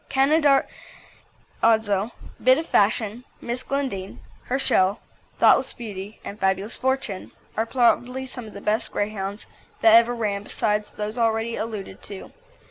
Canaradzo, Bit of Fashion, Miss Glendine, Herschel, Thoughtless Beauty, and Fabulous Fortune, are probably some of the best Greyhounds that ever ran besides those already alluded to.